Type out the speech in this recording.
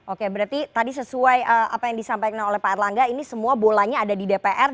oke berarti tadi sesuai apa yang disampaikan oleh pak erlangga ini semua bolanya ada di dpr